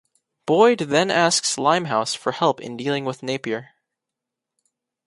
Boyd then asks Limehouse for help in dealing with Napier.